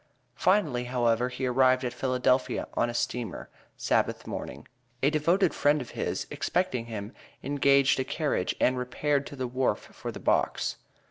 Finally, however, he arrived at Philadelphia, on a steamer, Sabbath morning. A devoted friend of his, expecting him, engaged a carriage and repaired to the wharf for the box.